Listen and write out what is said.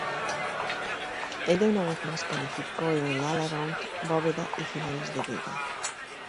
Ella una vez más calificó en el all-around, bóveda y finales de Viga.